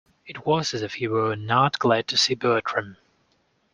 It was as if he were not glad to see Bertram.